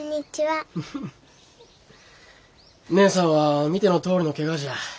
義姉さんは見てのとおりのけがじゃ。